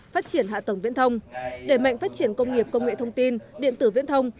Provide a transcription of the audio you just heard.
phát triển hạ tầng viễn thông đề mạnh phát triển công nghiệp công nghệ thông tin điện tử viễn thông